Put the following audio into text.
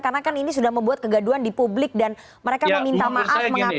karena kan ini sudah membuat kegaduan di publik dan mereka meminta maaf mengakui